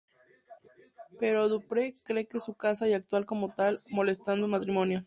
Pero Dupree cree que es su casa y actúa como tal, molestando al matrimonio.